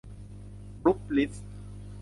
กรุ๊ปลีส